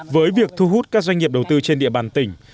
với việc thu hút các doanh nghiệp đầu tư trên địa bàn tỉnh